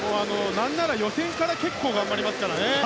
何なら予選から結構、頑張りますからね。